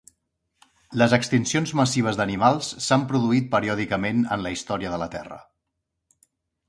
Les extincions massives d'animals s'han produït periòdicament en la història de la Terra.